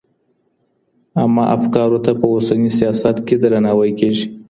عامه افکارو ته په اوسني سياست کي درناوی کېږي.